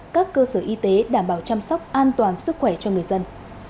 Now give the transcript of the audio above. các cơ sở y tế đảm bảo chăm sóc an toàn sức khỏe cho người dân